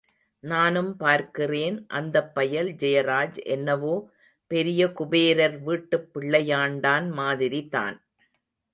நானும் பார்க்கிறேன், அந்தப் பயல் ஜெயராஜ் என்னவோ பெரிய குபேரர் வீட்டுப்பிள்ளையாண்டான் மாதிரிதான்.